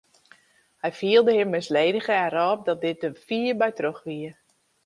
Hy fielde him misledige en rôp dat dit der fier by troch wie.